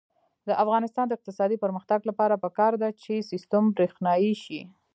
د افغانستان د اقتصادي پرمختګ لپاره پکار ده چې سیستم برښنايي شي.